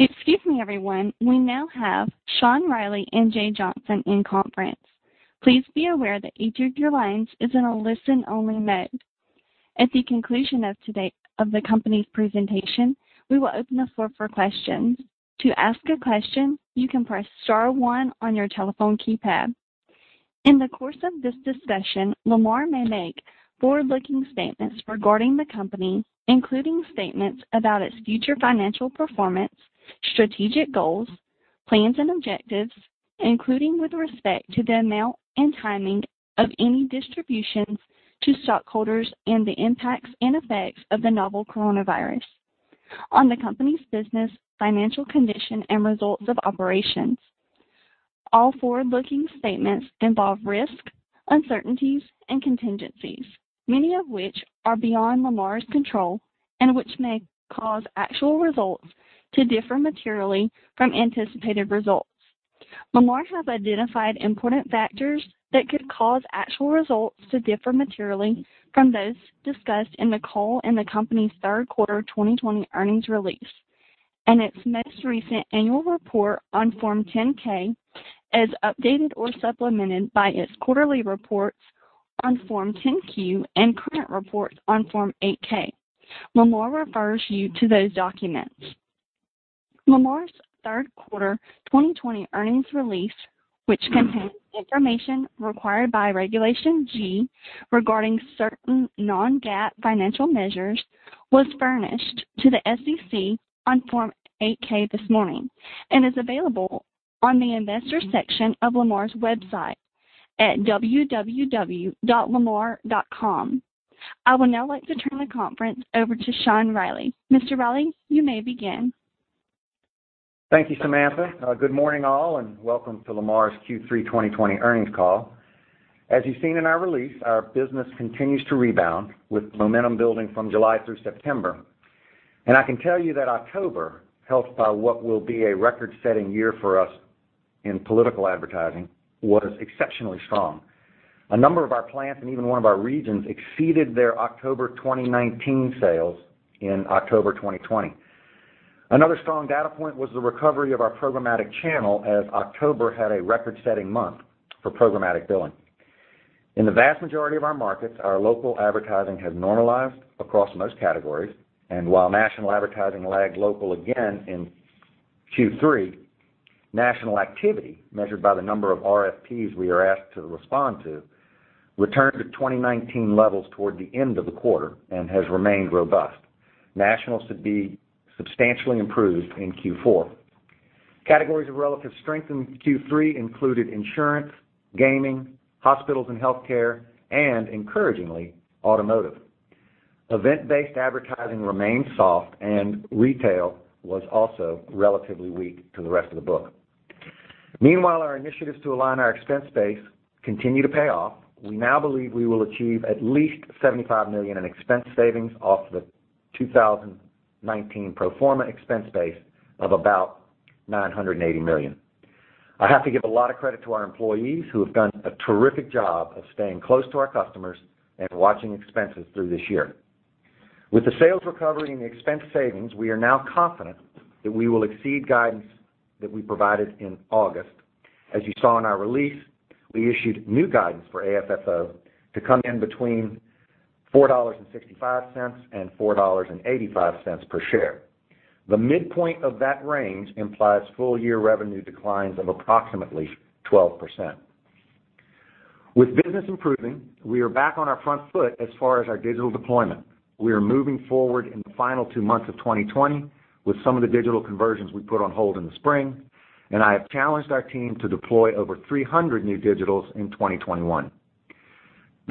Excuse me, everyone. We now have Sean Reilly and Jay Johnson in conference. Please be aware that each of your lines is in a listen-only mode. At the conclusion of the company's presentation, we will open the floor for questions. To ask a question, you can press star one on your telephone keypad. In the course of this discussion, Lamar may make forward-looking statements regarding the company, including statements about its future financial performance, strategic goals, plans, and objectives, including with respect to the amount and timing of any distributions to stockholders and the impacts and effects of the novel coronavirus on the company's business, financial condition, and results of operations. All forward-looking statements involve risks, uncertainties, and contingencies, many of which are beyond Lamar's control and which may cause actual results to differ materially from anticipated results. Lamar has identified important factors that could cause actual results to differ materially from those discussed in the call in the company's third quarter 2020 earnings release and its most recent annual report on Form 10-K, as updated or supplemented by its quarterly reports on Form 10-Q and current reports on Form 8-K. Lamar refers you to those documents. Lamar's third quarter 2020 earnings release, which contains information required by Regulation G regarding certain non-GAAP financial measures, was furnished to the SEC on Form 8-K this morning and is available on the investor section of Lamar's website at www.lamar.com. I would now like to turn the conference over to Sean Reilly. Mr. Reilly, you may begin. Thank you, Samantha. Good morning, all, and welcome to Lamar's Q3 2020 earnings call. As you've seen in our release, our business continues to rebound with momentum building from July through September, and I can tell you that October, helped by what will be a record-setting year for us in political advertising, was exceptionally strong. A number of our plants and even one of our regions exceeded their October 2019 sales in October 2020. Another strong data point was the recovery of our programmatic channel, as October had a record-setting month for programmatic billing. In the vast majority of our markets, our local advertising has normalized across most categories, and while national advertising lagged local again in Q3, national activity, measured by the number of RFPs we are asked to respond to, returned to 2019 levels toward the end of the quarter and has remained robust. National should be substantially improved in Q4. Categories of relative strength in Q3 included insurance, gaming, hospitals and healthcare, and, encouragingly, automotive. Event-based advertising remained soft, and retail was also relatively weak to the rest of the book. Meanwhile, our initiatives to align our expense base continue to pay off. We now believe we will achieve at least $75 million in expense savings off the 2019 pro forma expense base of about $980 million. I have to give a lot of credit to our employees, who have done a terrific job of staying close to our customers and watching expenses through this year. With the sales recovery and the expense savings, we are now confident that we will exceed guidance that we provided in August. As you saw in our release, we issued new guidance for AFFO to come in between $4.65 and $4.85 per share. The midpoint of that range implies full-year revenue declines of approximately 12%. With business improving, we are back on our front foot as far as our digital deployment. We are moving forward in the final two months of 2020 with some of the digital conversions we put on hold in the spring, and I have challenged our team to deploy over 300 new digitals in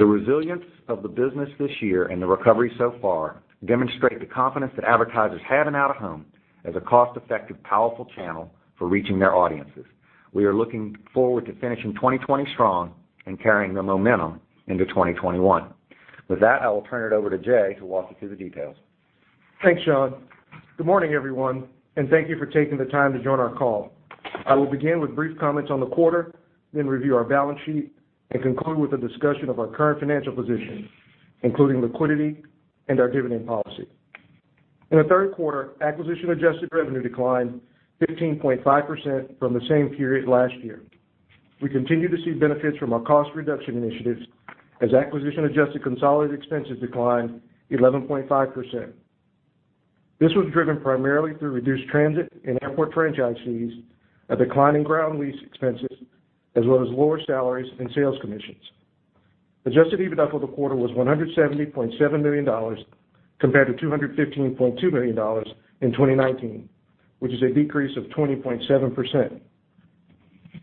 2021. The resilience of the business this year and the recovery so far demonstrate the confidence that advertisers have in out-of-home as a cost-effective, powerful channel for reaching their audiences. We are looking forward to finishing 2020 strong and carrying the momentum into 2021. With that, I will turn it over to Jay, who will walk you through the details. Thanks, Sean. Good morning, everyone, and thank you for taking the time to join our call. I will begin with brief comments on the quarter, then review our balance sheet, and conclude with a discussion of our current financial position, including liquidity and our dividend policy. In the third quarter, acquisition-adjusted revenue declined 15.5% from the same period last year. We continue to see benefits from our cost reduction initiatives as acquisition-adjusted consolidated expenses declined 11.5%. This was driven primarily through reduced transit and airport franchise fees, a decline in ground lease expenses, as well as lower salaries and sales commissions. Adjusted EBITDA for the quarter was $170.7 million, compared to $215.2 million in 2019, which is a decrease of 20.7%.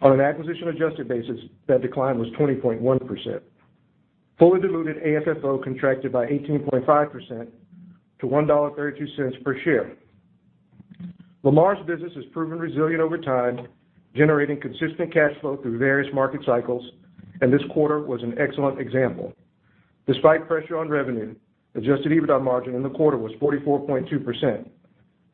On an acquisition-adjusted basis, that decline was 20.1%. Fully diluted AFFO contracted by 18.5% to $1.32 per share. Lamar's business has proven resilient over time, generating consistent cash flow through various market cycles. This quarter was an excellent example. Despite pressure on revenue, adjusted EBITDA margin in the quarter was 44.2%,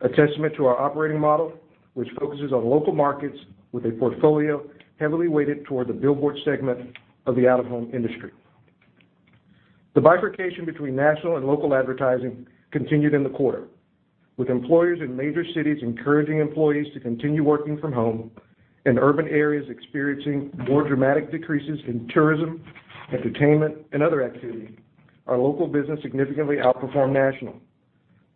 a testament to our operating model, which focuses on local markets with a portfolio heavily weighted toward the billboard segment of the out-of-home industry. The bifurcation between national and local advertising continued in the quarter. With employers in major cities encouraging employees to continue working from home and urban areas experiencing more dramatic decreases in tourism, entertainment, and other activity, our local business significantly outperformed national.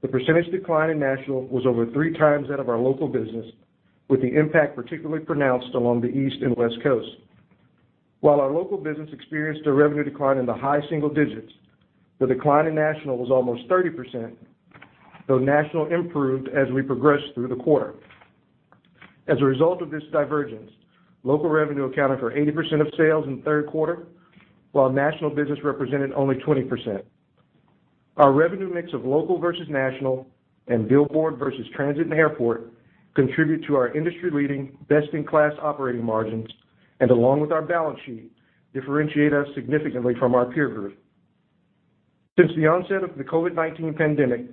The percentage decline in national was over three times that of our local business, with the impact particularly pronounced along the East and West Coast. While our local business experienced a revenue decline in the high single digits, the decline in national was almost 30%, though national improved as we progressed through the quarter. As a result of this divergence, local revenue accounted for 80% of sales in the third quarter, while national business represented only 20%. Our revenue mix of local versus national and billboard versus transit and airport contribute to our industry-leading best-in-class operating margins. Along with our balance sheet, differentiate us significantly from our peer group. Since the onset of the COVID-19 pandemic,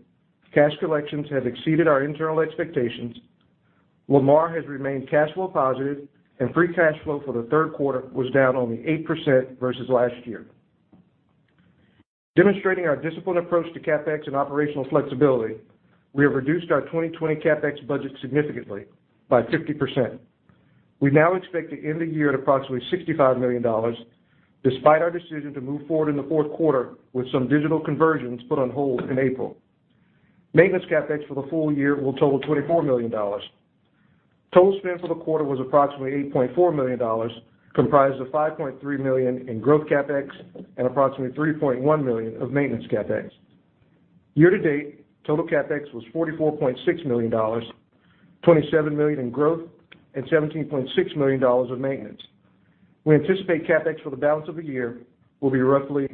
cash collections have exceeded our internal expectations. Lamar has remained cash flow positive, and free cash flow for the third quarter was down only 8% versus last year. Demonstrating our disciplined approach to CapEx and operational flexibility, we have reduced our 2020 CapEx budget significantly by 50%. We now expect to end the year at approximately $65 million, despite our decision to move forward in the fourth quarter with some digital conversions put on hold in April. Maintenance CapEx for the full year will total $24 million. Total spend for the quarter was approximately $8.4 million, comprised of $5.3 million in growth CapEx and approximately $3.1 million of maintenance CapEx. Year-to-date, total CapEx was $44.6 million, $27 million in growth, and $17.6 million of maintenance. We anticipate CapEx for the balance of the year will be roughly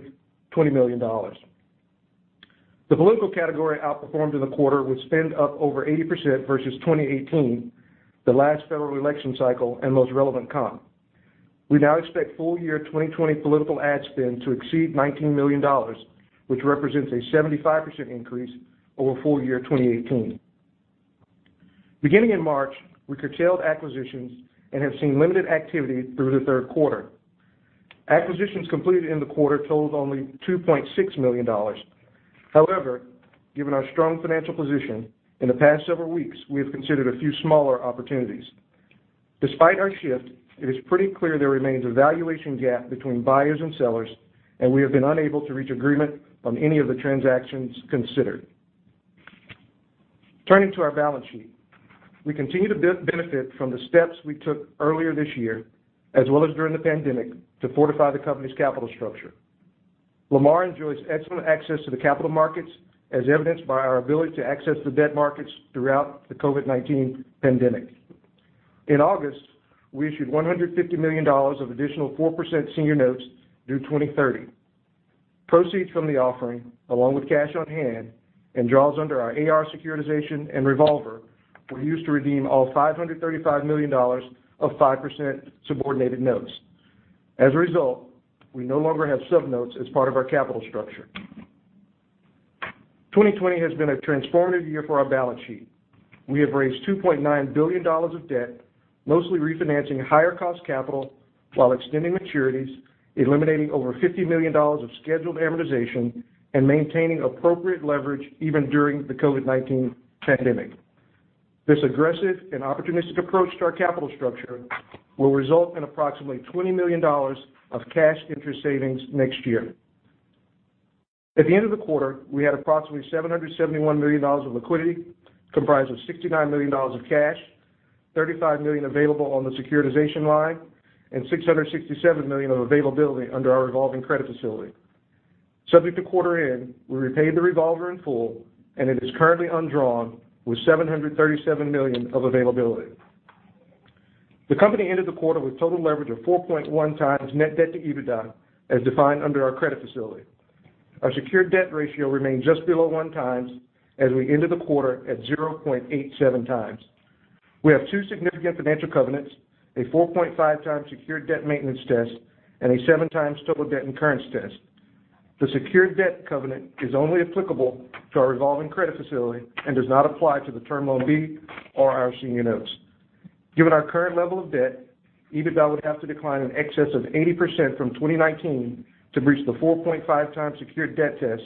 $20 million. The political category outperformed in the quarter with spend up over 80% versus 2018, the last federal election cycle and most relevant comp. We now expect full-year 2020 political ad spend to exceed $19 million, which represents a 75% increase over full-year 2018. Beginning in March, we curtailed acquisitions and have seen limited activity through the third quarter. Acquisitions completed in the quarter totaled only $2.6 million. Given our strong financial position, in the past several weeks, we have considered a few smaller opportunities. Despite our shift, it is pretty clear there remains a valuation gap between buyers and sellers, and we have been unable to reach agreement on any of the transactions considered. Turning to our balance sheet, we continue to benefit from the steps we took earlier this year, as well as during the pandemic, to fortify the company's capital structure. Lamar enjoys excellent access to the capital markets, as evidenced by our ability to access the debt markets throughout the COVID-19 pandemic. In August, we issued $150 million of additional 4% senior notes due 2030. Proceeds from the offering, along with cash on hand and draws under our AR securitization and revolver, were used to redeem all $535 million of 5% subordinated notes. We no longer have sub-notes as part of our capital structure. 2020 has been a transformative year for our balance sheet. We have raised $2.9 billion of debt, mostly refinancing higher-cost capital while extending maturities, eliminating over $50 million of scheduled amortization, and maintaining appropriate leverage even during the COVID-19 pandemic. This aggressive and opportunistic approach to our capital structure will result in approximately $20 million of cash interest savings next year. At the end of the quarter, we had approximately $771 million of liquidity, comprised of $69 million of cash, $35 million available on the securitization line, and $667 million of availability under our revolving credit facility. Subject to quarter end, we repaid the revolver in full, and it is currently undrawn with $737 million of availability. The company ended the quarter with total leverage of 4.1 times net debt to EBITDA as defined under our credit facility. Our secured debt ratio remained just below one times as we ended the quarter at 0.87 times. We have two significant financial covenants, a 4.5 times secured debt maintenance test, and a seven times total debt incurrence test. The secured debt covenant is only applicable to our revolving credit facility and does not apply to the Term Loan B or our senior notes. Given our current level of debt, EBITDA would have to decline in excess of 80% from 2019 to breach the 4.5 times secured debt test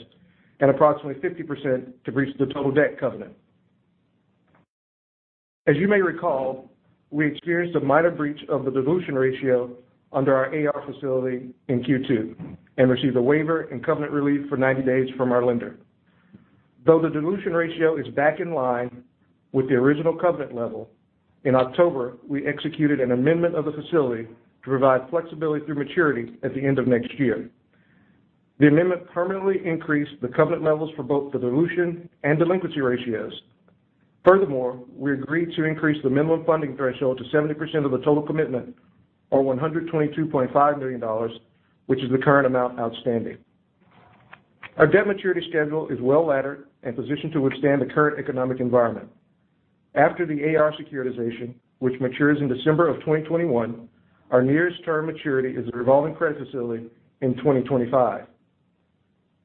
and approximately 50% to breach the total debt covenant. As you may recall, we experienced a minor breach of the dilution ratio under our AR facility in Q2 and received a waiver and covenant relief for 90 days from our lender. Though the dilution ratio is back in line with the original covenant level, in October, we executed an amendment of the facility to provide flexibility through maturity at the end of next year. The amendment permanently increased the covenant levels for both the dilution and delinquency ratios. Furthermore, we agreed to increase the minimum funding threshold to 70% of the total commitment or $122.5 million, which is the current amount outstanding. Our debt maturity schedule is well-laddered and positioned to withstand the current economic environment. After the AR securitization, which matures in December of 2021, our nearest term maturity is a revolving credit facility in 2025.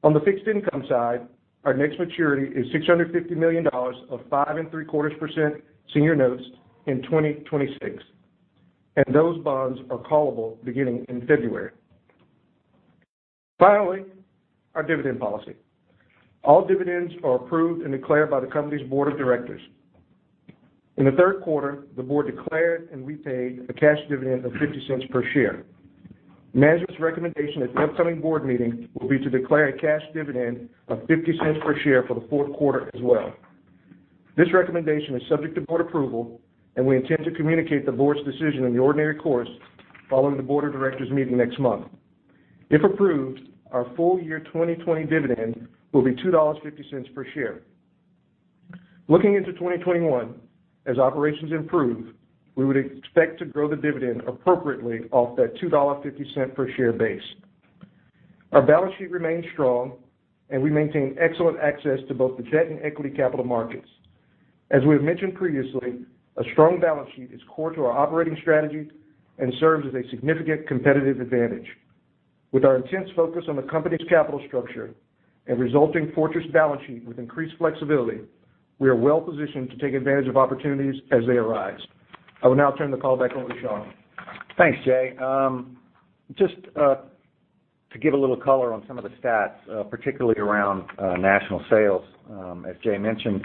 On the fixed income side, our next maturity is $650 million of 5.75% senior notes in 2026. Those bonds are callable beginning in February. Finally, our dividend policy. All dividends are approved and declared by the company's board of directors. In the third quarter, the board declared and we paid a cash dividend of $0.50 per share. Management's recommendation at the upcoming board meeting will be to declare a cash dividend of $0.50 per share for the fourth quarter as well. This recommendation is subject to board approval, and we intend to communicate the board's decision in the ordinary course following the board of directors meeting next month. If approved, our full year 2020 dividend will be $2.50 per share. Looking into 2021, as operations improve, we would expect to grow the dividend appropriately off that $2.50 per share base. Our balance sheet remains strong, and we maintain excellent access to both the debt and equity capital markets. As we have mentioned previously, a strong balance sheet is core to our operating strategy and serves as a significant competitive advantage. With our intense focus on the company's capital structure and resulting fortress balance sheet with increased flexibility, we are well-positioned to take advantage of opportunities as they arise. I will now turn the call back over to Sean. Thanks, Jay. Just to give a little color on some of the stats, particularly around national sales. As Jay mentioned,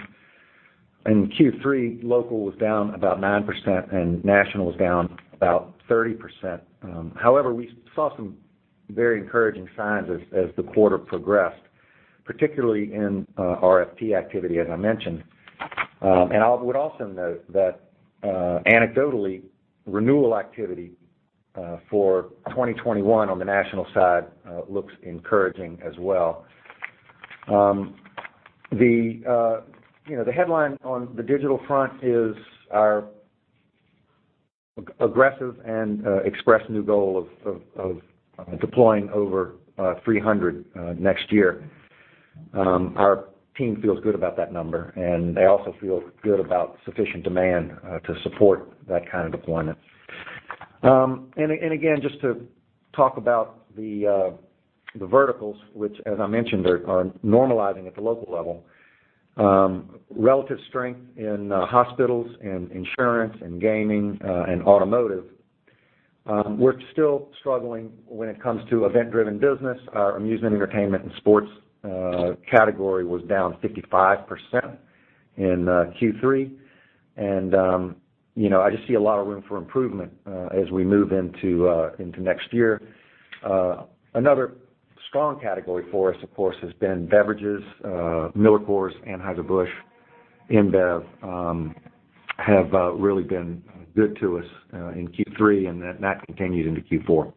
in Q3, local was down about 9% and national was down about 30%. However, we saw some very encouraging signs as the quarter progressed, particularly in RFP activity, as I mentioned. I would also note that anecdotally, renewal activity for 2021 on the national side looks encouraging as well. The headline on the digital front is our aggressive and expressed new goal of deploying over 300 next year. Our team feels good about that number, and they also feel good about sufficient demand to support that kind of deployment. Again, just to talk about the verticals, which as I mentioned, are normalizing at the local level. Relative strength in hospitals and insurance and gaming and automotive. We're still struggling when it comes to event-driven business. Our amusement, entertainment, and sports category was down 55% in Q3. I just see a lot of room for improvement as we move into next year. Another strong category for us, of course, has been beverages. MillerCoors, Anheuser-Busch, InBev, have really been good to us in Q3, and that continued into Q4.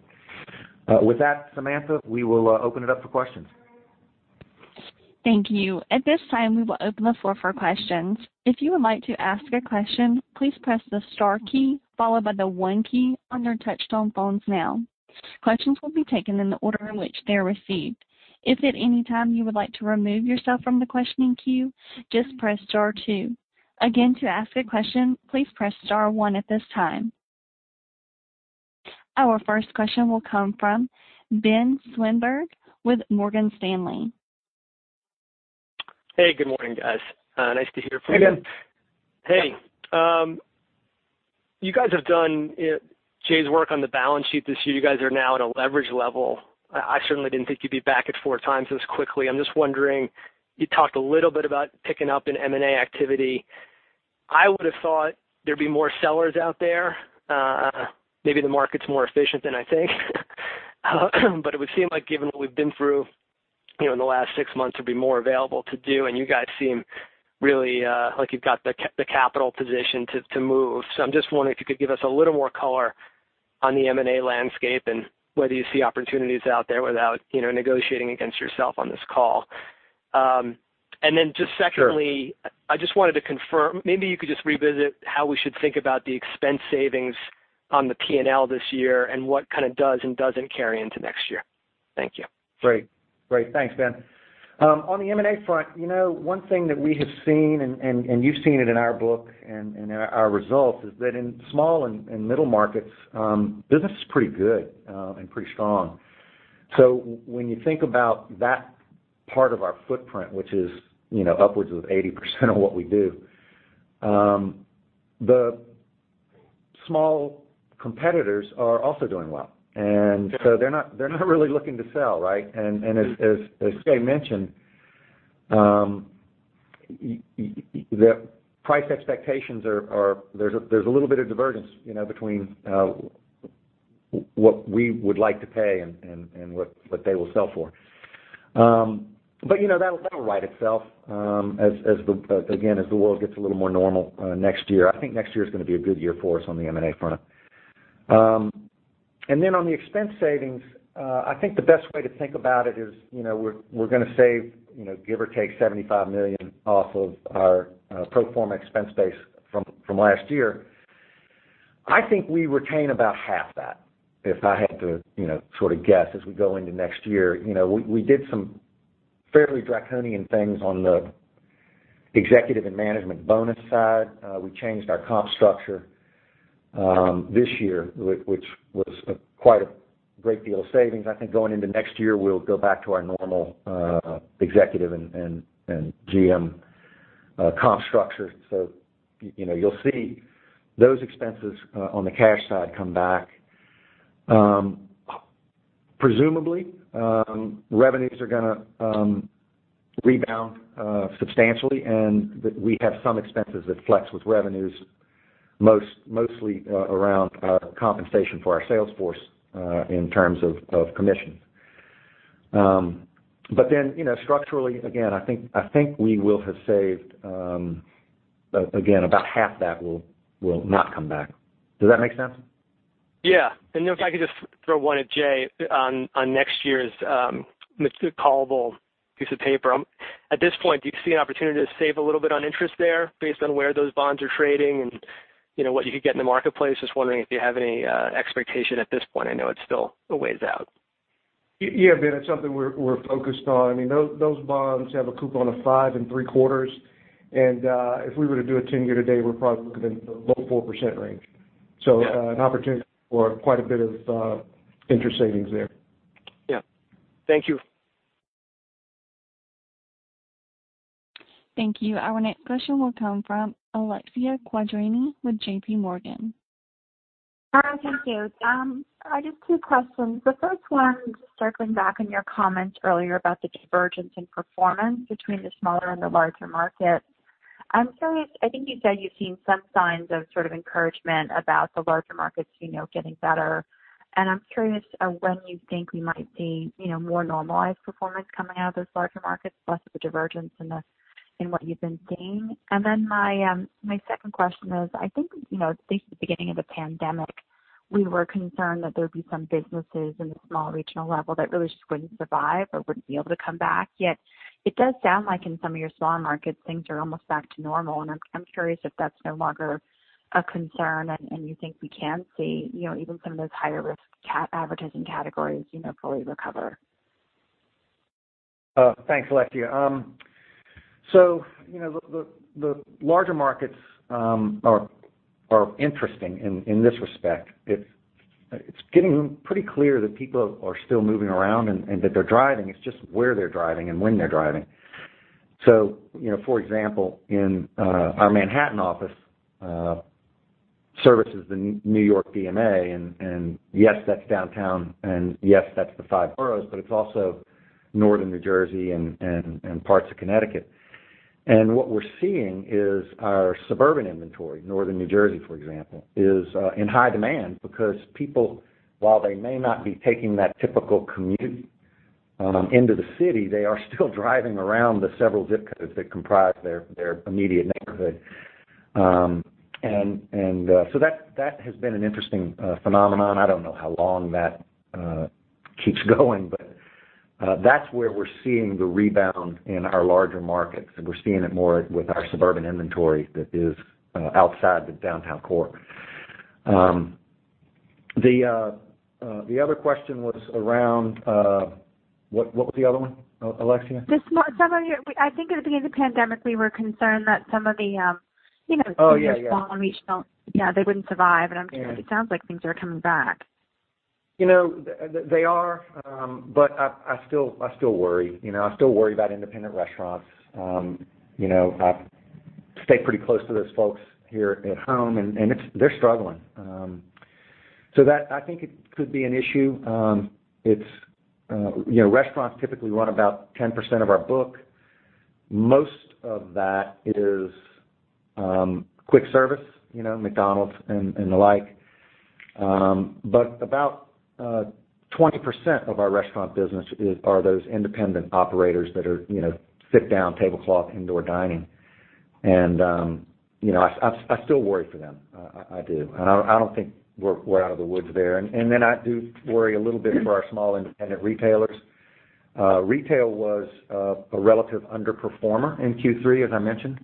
With that, Samantha, we will open it up for questions. Thank you. At this time, we will open the floor for questions. If you would like to ask a question, please press the star key followed by the one key on your touchtone phones now. Questions will be taken in the order in which they are received. If at any time you would like to remove yourself from the questioning queue, just press star two. Again, to ask a question, please press star one at this time. Our first question will come from Ben Swinburne with Morgan Stanley. Hey, good morning, guys. Nice to hear from you. Hey, guys. Hey. Jay's work on the balance sheet this year, you guys are now at a leverage level. I certainly didn't think you'd be back at 4 times this quickly. I'm just wondering, you talked a little bit about picking up in M&A activity. I would've thought there'd be more sellers out there. Maybe the market's more efficient than I think. It would seem like given what we've been through in the last 6 months, there'd be more available to do, and you guys seem really like you've got the capital position to move. I'm just wondering if you could give us a little more color on the M&A landscape and whether you see opportunities out there without negotiating against yourself on this call. Just secondly- Sure I just wanted to confirm, maybe you could just revisit how we should think about the expense savings on the P&L this year and what kind of does and doesn't carry into next year. Thank you. Great. Thanks, Ben. On the M&A front, one thing that we have seen, and you've seen it in our book and our results, is that in small and middle markets, business is pretty good and pretty strong. When you think about that part of our footprint, which is upwards of 80% of what we do, the small competitors are also doing well. They're not really looking to sell. Right? As Jay mentioned, the price expectations there's a little bit of divergence between what we would like to pay and what they will sell for. That'll right itself as the world gets a little more normal next year. I think next year's going to be a good year for us on the M&A front. On the expense savings, I think the best way to think about it is we're going to save give or take $75 million off of our pro forma expense base from last year. I think we retain about half that, if I had to sort of guess as we go into next year. We did some fairly draconian things on the executive and management bonus side. We changed our comp structure this year, which was quite a great deal of savings. I think going into next year, we'll go back to our normal executive and GM comp structure. You'll see those expenses on the cash side come back. Presumably, revenues are going to rebound substantially, we have some expenses that flex with revenues, mostly around compensation for our sales force in terms of commission. Structurally, again, I think we will have saved, about half that will not come back. Does that make sense? If I could just throw one at Jay on next year's callable piece of paper. At this point, do you see an opportunity to save a little bit on interest there based on where those bonds are trading and what you could get in the marketplace? Just wondering if you have any expectation at this point. I know it's still a ways out. Yeah, Ben, it's something we're focused on. Those bonds have a coupon of five and three quarters, and if we were to do a 10 year today, we're probably looking in the low 4% range. Yeah. An opportunity for quite a bit of interest savings there. Yeah. Thank you. Thank you. Our next question will come from Alexia Quadrani with JPMorgan. Hi, thank you. I have just two questions. The first one, just circling back on your comments earlier about the divergence in performance between the smaller and the larger markets. I'm curious, I think you said you've seen some signs of sort of encouragement about the larger markets getting better, and I'm curious when you think we might see more normalized performance coming out of those larger markets, less of a divergence in what you've been seeing. My second question is, I think since the beginning of the pandemic, we were concerned that there'd be some businesses in the small regional level that really just wouldn't survive or wouldn't be able to come back. Yet, it does sound like in some of your smaller markets, things are almost back to normal. I'm curious if that's no longer a concern and you think we can see even some of those higher-risk advertising categories fully recover. Thanks, Alexia. The larger markets are interesting in this respect. It's getting pretty clear that people are still moving around and that they're driving. It's just where they're driving and when they're driving. For example, in our Manhattan office, services in New York PMA, and yes, that's downtown, and yes, that's the five boroughs, but it's also northern New Jersey and parts of Connecticut. What we're seeing is our suburban inventory, northern New Jersey, for example, is in high demand because people, while they may not be taking that typical commute into the city, they are still driving around the several zip codes that comprise their immediate neighborhood. That has been an interesting phenomenon. I don't know how long that keeps going, but that's where we're seeing the rebound in our larger markets, and we're seeing it more with our suburban inventory that is outside the downtown core. The other question was around What was the other one, Alexia? I think at the beginning of the pandemic, we were concerned that some of the- Oh, yeah smaller, small and regional, yeah, they wouldn't survive. I'm curious, it sounds like things are coming back. They are, I still worry. I still worry about independent restaurants. I stay pretty close to those folks here at home, they're struggling. That, I think it could be an issue. Restaurants typically run about 10% of our book. Most of that is quick service, McDonald's and the like. About 20% of our restaurant business are those independent operators that are sit down, tablecloth, indoor dining. I still worry for them. I do. I don't think we're out of the woods there. Then I do worry a little bit for our small independent retailers. Retail was a relative underperformer in Q3, as I mentioned.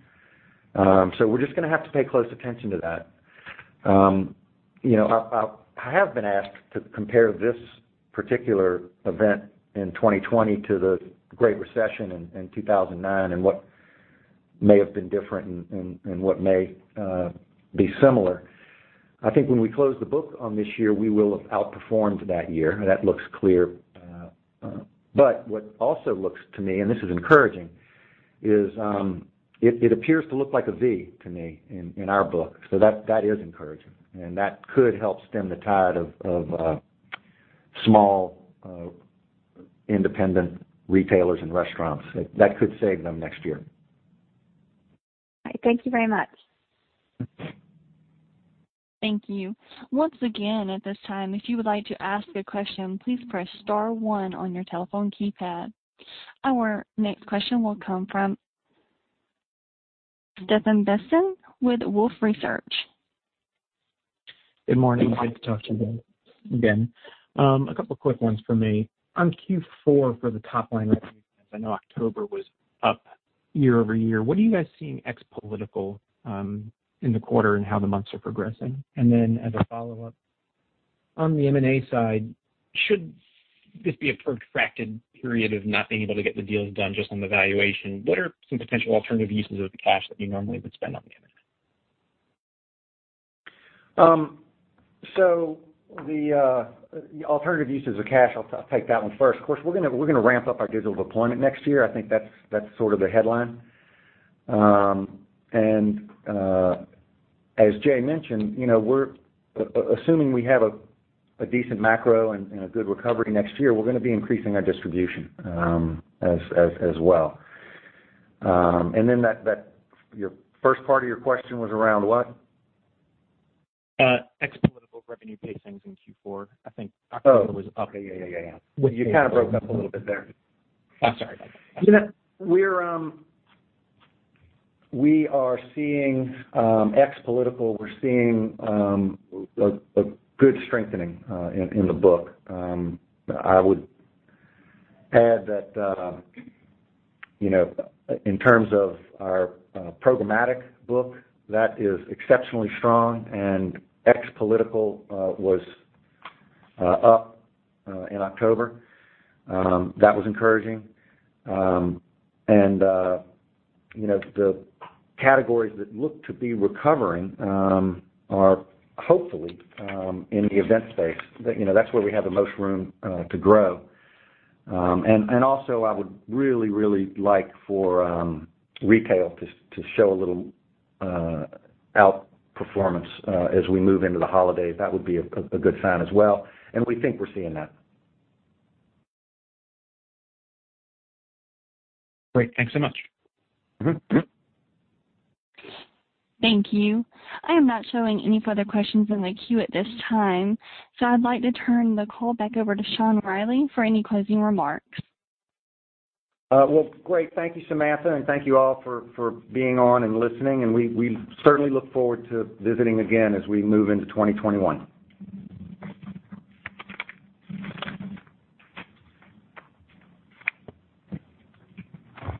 We're just going to have to pay close attention to that. I have been asked to compare this particular event in 2020 to the Great Recession in 2009 and what may have been different and what may be similar. I think when we close the book on this year, we will have outperformed that year. That looks clear. What also looks to me, this is encouraging, is it appears to look like a V to me in our book. That is encouraging. That could help stem the tide of small independent retailers and restaurants. That could save them next year. All right. Thank you very much. Thank you. Once again, at this time, if you would like to ask a question, please press star one on your telephone keypad. Our next question will come from Seth Bastin with Wolfe Research. Good morning. Glad to talk to you again. A couple of quick ones from me. On Q4 for the top-line revenue guidance, I know October was up year-over-year. What are you guys seeing ex-political in the quarter and how the months are progressing? As a follow-up, on the M&A side, should this be a protracted period of not being able to get the deals done just on the valuation, what are some potential alternative uses of the cash that you normally would spend on M&A? The alternative uses of cash, I'll take that one first. Of course, we're going to ramp up our digital deployment next year. I think that's sort of the headline. As Jay mentioned, assuming we have a decent macro and a good recovery next year, we're going to be increasing our distribution as well. Your first part of your question was around what? Ex-political revenue pacings in Q4, I think October was. Oh, okay. Yeah. You kind of broke up a little bit there. I'm sorry about that. We are seeing ex-political, we're seeing a good strengthening in the book. I would add that, in terms of our programmatic book, that is exceptionally strong. Ex-political was up in October. That was encouraging. The categories that look to be recovering are hopefully in the event space. That's where we have the most room to grow. Also, I would really like for retail to show a little outperformance as we move into the holidays. That would be a good sign as well. We think we're seeing that. Great. Thanks so much. Thank you. I am not showing any further questions in the queue at this time. I'd like to turn the call back over to Sean Reilly for any closing remarks. Well, great. Thank you, Samantha, and thank you all for being on and listening, and we certainly look forward to visiting again as we move into 2021.